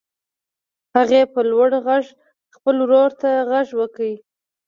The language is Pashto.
هغې په لوړ غږ خپل ورور ته غږ وکړ.